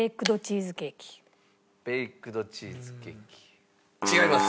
ベイクドチーズケーキ違います。